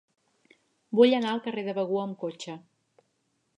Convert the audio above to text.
Vull anar al carrer de Begur amb cotxe.